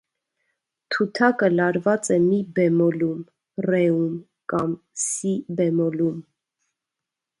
Թութակը լարված է մի բեմոլում, ռեում կամ սի բեմոլում։